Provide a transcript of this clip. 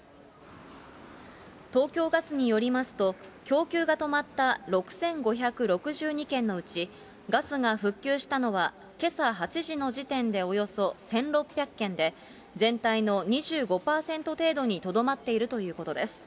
東京ガスによりますと、供給が止まった６５６２軒のうち、ガスが復旧したのは、けさ８時の時点でおよそ１６００軒で、全体の２５％程度にとどまっているということです。